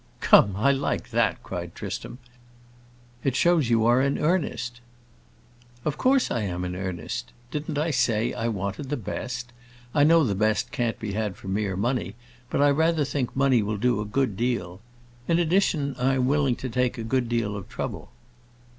"Come, I like that!" cried Tristram. "It shows you are in earnest." "Of course I am in earnest. Didn't I say I wanted the best? I know the best can't be had for mere money, but I rather think money will do a good deal. In addition, I am willing to take a good deal of trouble."